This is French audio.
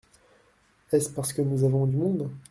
Est-ce parce que nous avons du monde ?